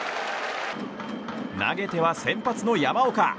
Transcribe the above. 投げては先発の山岡。